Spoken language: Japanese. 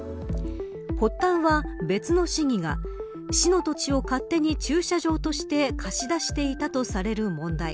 発端は別の市議が市の土地を勝手に駐車場として貸し出していたとされる問題。